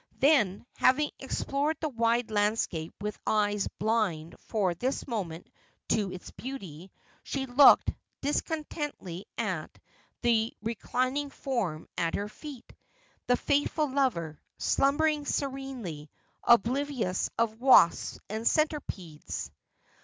Then, having explored the wide landscape with eyes blind for this moment to its beauty, she looked discontentedly at the reclining form at her feet, the faithful lover, slumbering serenely, oblivious of wasps and centipedes.